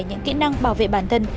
những kỹ năng bảo vệ bản thân